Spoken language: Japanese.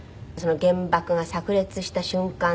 原爆が炸裂した瞬間。